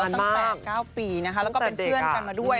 ตั้งแต่๙ปีนะคะแล้วก็เป็นเพื่อนกันมาด้วย